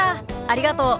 ありがとう。